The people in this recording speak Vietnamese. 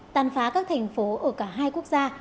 tàn phá các thành phố ở cả hai quốc gia